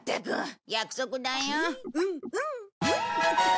うんうん！